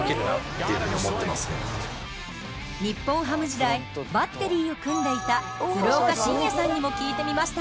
日本ハム時代バッテリーを組んでいた鶴岡慎也さんにも聞いてみました。